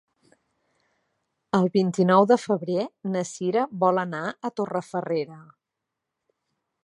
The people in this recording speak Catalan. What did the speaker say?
El vint-i-nou de febrer na Sira vol anar a Torrefarrera.